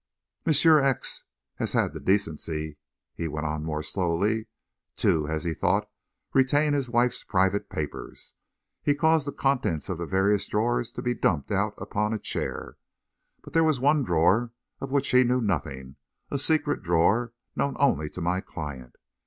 "Monsieur X. had had the decency," he went on, more slowly, "to, as he thought, retain his wife's private papers. He had caused the contents of the various drawers to be dumped out upon a chair. But there was one drawer of which he knew nothing a secret drawer, known only to my client.